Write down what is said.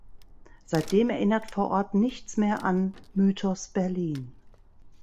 Seitdem erinnert vor Ort nichts mehr an "Mythos Berlin".